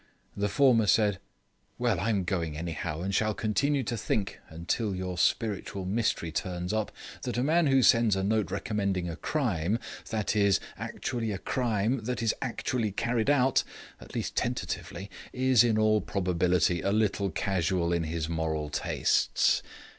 The former said, "Well, I'm going, anyhow, and shall continue to think until your spiritual mystery turns up that a man who sends a note recommending a crime, that is, actually a crime that is actually carried out, at least tentatively, is, in all probability, a little casual in his moral tastes.